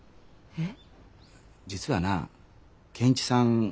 えっ？